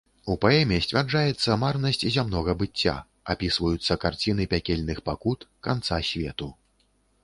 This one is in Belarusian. У паэме сцвярджаецца марнасць зямнога быцця, апісваюцца карціны пякельных пакут, канца свету.